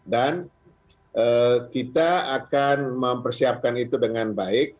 dan kita akan mempersiapkan itu dengan baik